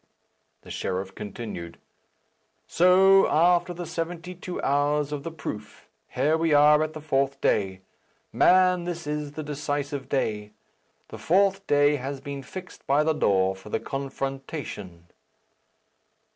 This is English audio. The sheriff continued, "So, after the seventy two hours of the proof, here we are at the fourth day. Man, this is the decisive day. The fourth day has been fixed by the law for the confrontation."